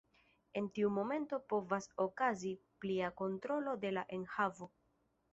En tiu momento povas okazi plia kontrolo de la enhavo.